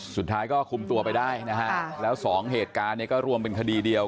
สุดท้ายก็คุมตัวไปได้นะฮะแล้วสองเหตุการณ์เนี่ยก็รวมเป็นคดีเดียว